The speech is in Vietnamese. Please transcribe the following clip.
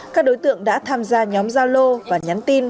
các đối tượng đã tham gia nhóm giao lô và nhắn tin